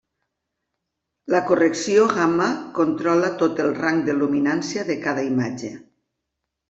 La correcció gamma controla tot el rang de luminància de cada imatge.